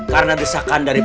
karena desakan dari